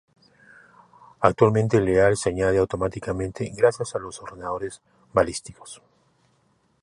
Actualmente el lead se añade automáticamente gracias a los ordenadores balísticos.